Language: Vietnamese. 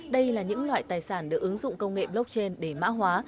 đây là những loại tài sản được ứng dụng công nghệ blockchain để mã hóa